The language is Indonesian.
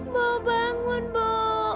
mbok bangun mbok